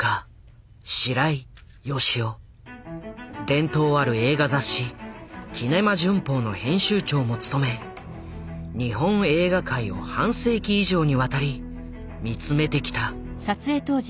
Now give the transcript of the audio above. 伝統ある映画雑誌「キネマ旬報」の編集長も務め日本映画界を半世紀以上にわたり見つめてきた。